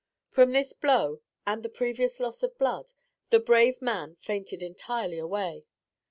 From this blow and the previous loss of blood, the brave man fainted entirely away.